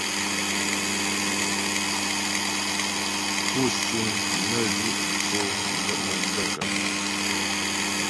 Pú síŋ nə́ zhʉ́ tsó mo gaə̂kə́ ?